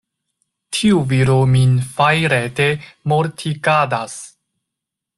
Tiu viro min fajrete mortigadas.